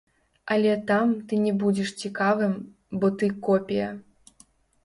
Але там ты не будзеш цікавым, бо ты копія.